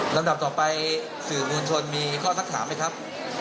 ลำดับต่อไปสื่อมวลชนมีข้อสักถามไหมครับ